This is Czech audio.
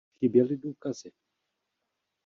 Chyběly důkazy.